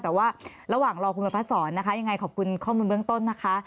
แต่ว่าระหว่างรอคุณประพัดศรนะคะยังไงขอบคุณข้อมูลเบื้องต้นนะคะ